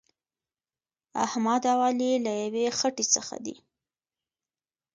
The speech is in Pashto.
احمد او علي له یوې خټې څخه دي.